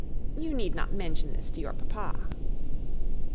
You need not mention this to your papa."